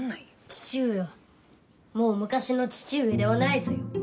父上はもう昔の父上ではないぞよ。